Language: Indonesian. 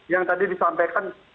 yang tadi disampaikan